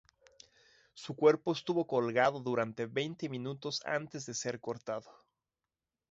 Su cuerpo estuvo colgado durante veinte minutos antes de ser cortado.